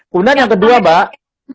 kemudian yang kedua mbak